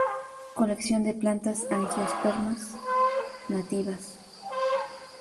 Colección de plantas angiospermas nativas.